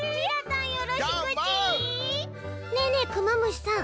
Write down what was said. ねえねえクマムシさん